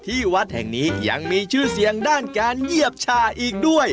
ที่วัดแห่งนี้ยังมีชื่อเสียงด้านการเหยียบชาอีกด้วย